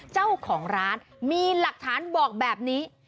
เจ้าของร้านมีหลักฐานบอกแบบนี้